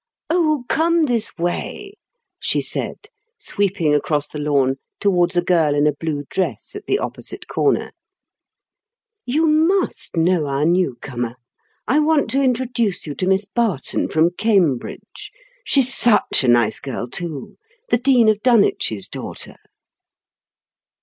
"Oh, come this way," she said, sweeping across the lawn towards a girl in a blue dress at the opposite corner. "You must know our new comer. I want to introduce you to Miss Barton, from Cambridge. She's such a nice girl too—the Dean of Dunwich's daughter."